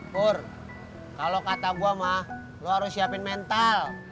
pur kalau kata gue mah lo harus siapin mental